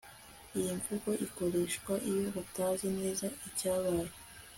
iyi mvugo ikoreshwa iyo batazi neza icya baye